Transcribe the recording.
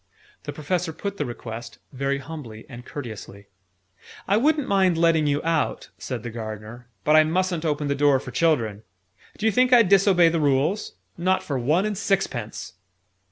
The Professor put the request, very humbly and courteously. "I wouldn't mind letting you out," said the Gardener. "But I mustn't open the door for children. D'you think I'd disobey the Rules? Not for one and sixpence!"